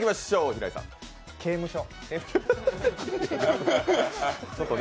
刑務所？